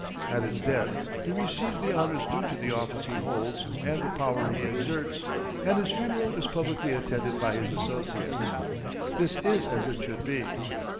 At his death he receives the honors due to the office he holds and the power he exerts, and his funeral is publicly attended by his associates. This is as it should be.